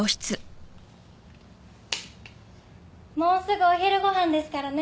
もうすぐお昼ご飯ですからね。